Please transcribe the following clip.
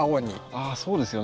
あそうですよね。